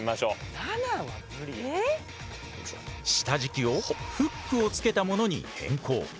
下じきをフックをつけたものに変更。